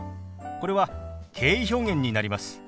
これは敬意表現になります。